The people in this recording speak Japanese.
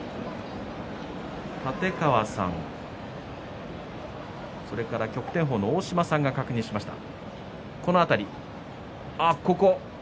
立川さん、それから旭天鵬の大島さんが確認しました。